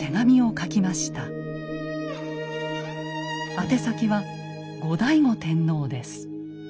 宛先は後醍醐天皇です。